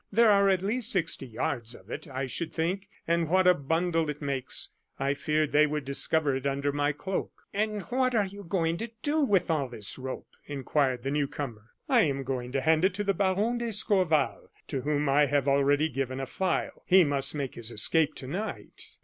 There are at least sixty yards of it, I should think and what a bundle it makes! I feared they would discover it under my cloak." "And what are you going to do with all this rope?" inquired the new comer. "I am going to hand it to Baron d'Escorval, to whom I have already given a file. He must make his escape to night."